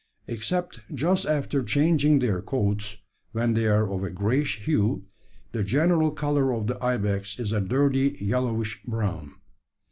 Except just after changing their coats, when they are of a greyish hue, the general colour of the ibex is a dirty yellowish brown.